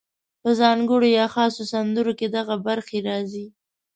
په ځانګړو یا خاصو سندرو کې دغه برخې راځي: